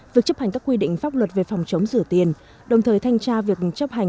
việc chấp hành các quy định pháp luật về phòng chống rửa tiền đồng thời thanh tra việc chấp hành